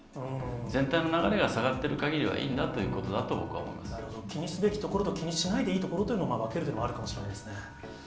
全体の流れが下がっているかぎりはいいんだということだと僕は思なるほど、気にすべきところと、気にしないでいいところというのを、分けるというのもあるかもしれないですね。